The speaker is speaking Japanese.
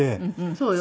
そうよ。